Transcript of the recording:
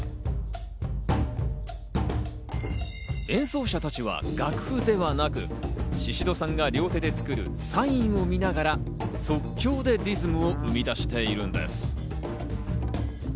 演奏者たちは楽譜ではなく、シシドさんが両手で作るサインを見ながら、即興でリズムを生み出しているんです。